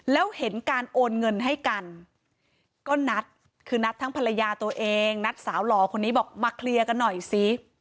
แล้วเห็นการโอนเงินให้กันก็นัดคือนัดทั้งภรรยาตัวเองนัดสาวหล่อคนนี้บอกมาเคลียร์กันหน่อยสิ